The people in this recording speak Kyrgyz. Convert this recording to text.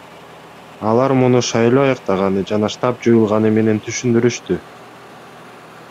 Алар муну шайлоо аяктаганы жана штаб жоюлганы менен түшүндүрүштү.